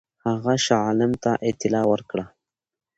هغه شاه عالم ته اطلاع ورکړه.